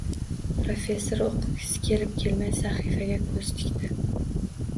Professor o`qigisi kelib-kelmay sahifaga ko`z tikdi